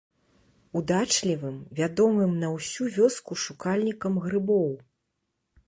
Удачлівым, вядомым на ўсю вёску шукальнікам грыбоў.